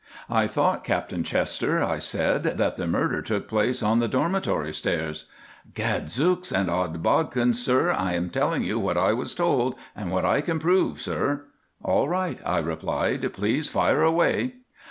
"I thought, Captain Chester," I said, "that the murder took place on the Dormitory stairs." "Gad, Zooks, and Oddbodkins, sir, I am telling you what I was told, and what I can prove, sir." "All right," I replied, "please fire away."